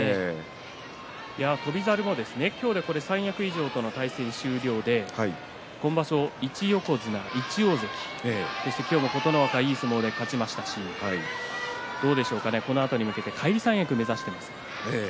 翔猿も今日で三役以上の対戦が終了で今場所、１横綱、１大関そして今日、琴ノ若いい相撲で勝ちましたしどうでしょうか、この辺り返り三役を目指しています。